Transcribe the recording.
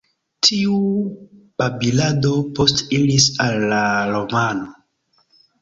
Tiu babilado poste iris al la romano.